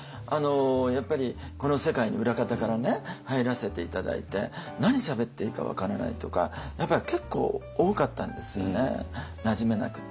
やっぱりこの世界に裏方から入らせて頂いて何しゃべっていいか分からないとかやっぱり結構多かったんですよねなじめなくって。